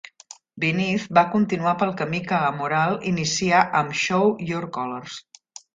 Beneath va continuar pel camí que Amoral inicià amb "Show Your Colors".